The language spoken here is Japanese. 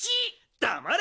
だまれ！